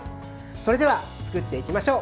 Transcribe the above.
それでは作っていきましょう。